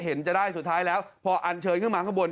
เห็นจะได้สุดท้ายแล้วพออันเชิญขึ้นมาข้างบน